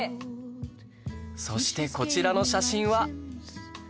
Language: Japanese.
そしてこちらの写真は